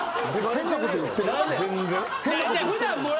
変なこと言ってない。